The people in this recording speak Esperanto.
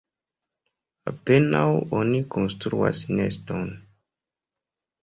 Apenaŭ oni konstruas neston.